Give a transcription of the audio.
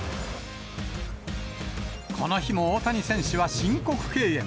この日も大谷選手は申告敬遠。